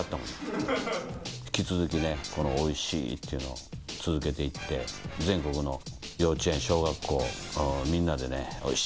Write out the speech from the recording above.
引き続きねこの「おいＣ」っていうのを続けて行って全国の幼稚園小学校みんなでね「おいＣ」